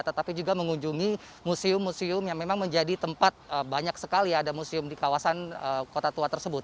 tetapi juga mengunjungi museum museum yang memang menjadi tempat banyak sekali ada museum di kawasan kota tua tersebut